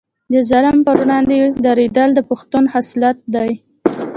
د ظالم پر وړاندې دریدل د پښتون خصلت دی.